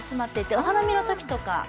お花見のときとか。